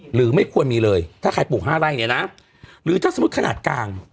หรือไม่ควรมีเลยถ้าใครปลูก๕ไร่เนี่ยนะหรือถ้าสมมุติขนาดกลาง